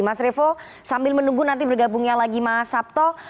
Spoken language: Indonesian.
mas revo sambil menunggu nanti bergabungnya lagi mas sabto